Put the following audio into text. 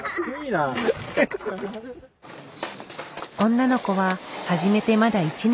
女の子は始めてまだ１年。